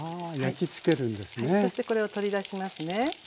はいそしてこれを取り出しますね。